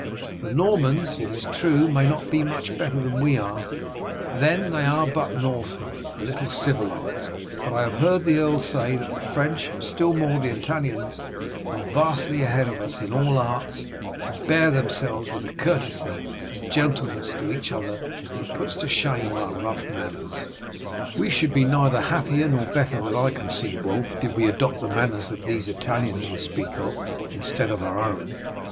The Normans, it is true, may not be much better than we are, but then they are but Northmen a little civilized; but I have heard the earl say that the French, and still more the Italians, are vastly ahead of us in all arts, and bear themselves with a courtesy and gentleness to each other that puts to shame our rough manners." "We should be neither happier nor better that I can see, Wulf, did we adopt the manners of these Italians you speak of instead of our own."